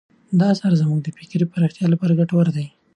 دا اثر زموږ د فکري پراختیا لپاره ډېر ګټور دی.